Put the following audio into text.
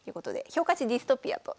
評価値ディストピアと。